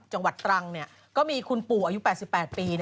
จังหวัดตรังก็มีคุณปู่อายุ๘๘ปี